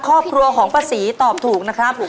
ครอบครัวของป้าศรีตอบถูกนะครับ